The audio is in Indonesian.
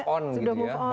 sudah move on gitu ya